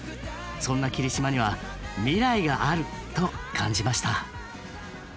そんな霧島には未来があると感じました。